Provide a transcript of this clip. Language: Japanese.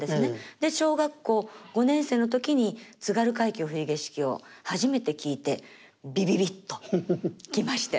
で小学校５年生の時に「津軽海峡・冬景色」を初めて聴いてビビビッと来まして。